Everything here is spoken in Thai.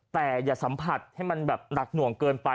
แต่อย่าสัมผัสให้มันแบบหนักหน่วงเกินไป